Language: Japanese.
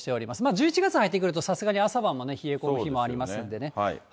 １１月入ってくると、さすがに朝晩も冷え込む日もありますんでね。